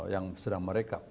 yang sedang merekap